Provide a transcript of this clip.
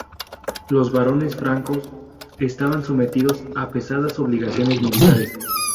Los barones francos estaban sometidos a pesadas obligaciones militares.